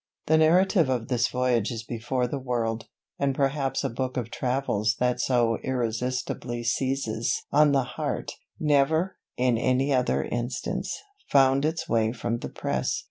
The narrative of this voyage is before the world, and perhaps a book of travels that so irresistibly seizes on the heart, never, in any other instance, found its way from the press.